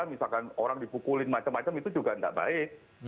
misalkan orang dipukulin macam macam itu juga tidak baik